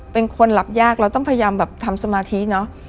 เป็นคนรับยากเราต้องพยายามแบบทำสมาธิเนอะ